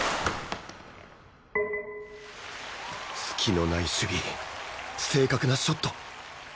隙のない守備正確なショット